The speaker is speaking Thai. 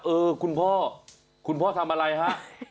เออคุณพ่อคุณพ่อทำอะไรฮะ